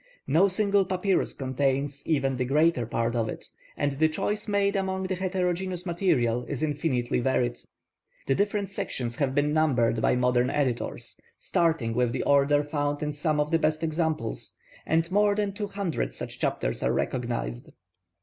No single papyrus contains even the greater part of it, and the choice made among the heterogeneous material is infinitely varied. The different sections have been numbered by modern editors, starting with the order found in some of the best examples, and more than two hundred such chapters are recognised.